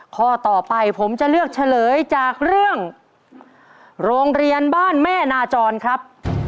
ข้อต่อไปผมจะเลือกเฉลยจากเรื่องโรงเรียนบ้านแม่นาจรครับ